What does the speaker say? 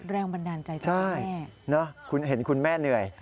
แรงบันดาลใจจากแม่ใช่นะคุณเห็นคุณแม่เหนื่อย